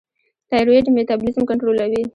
تایرویډ میټابولیزم کنټرولوي.